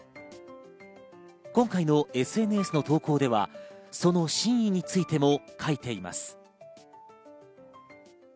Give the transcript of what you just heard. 今回のＳＮＳの投稿ではその真意についても書いています。